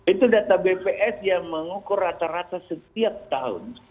itu data bps yang mengukur rata rata setiap tahun